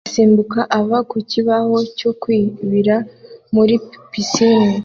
asimbuka ava ku kibaho cyo kwibira muri pisine